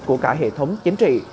của cả hệ thống chính trị